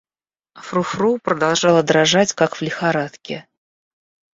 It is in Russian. Фру-Фру продолжала дрожать, как в лихорадке.